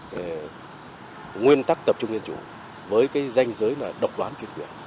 cái nguyên tắc tập trung dân chủ với cái danh giới là độc đoán quyền quyền